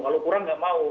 kalau kurang nggak mau